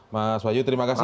mas wahyu terima kasih